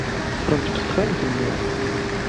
Ffren-t deg texxamt-nni.